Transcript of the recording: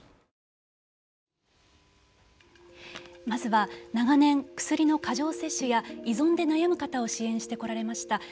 まずは、長年薬の過剰摂取や依存で悩む方を支援してこられました